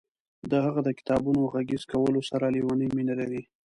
هغه د کتابونو غږیز کولو سره لیونۍ مینه لري.